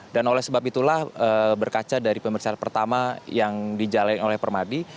dan oleh sebab itulah berkaca dari pemeriksaan pertama yang dijalankan oleh permadi